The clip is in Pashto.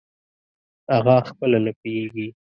اغه خپله نه پییږي